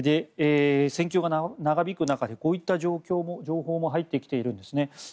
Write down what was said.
戦況が長引く中でこういった情報も入ってきているんですね。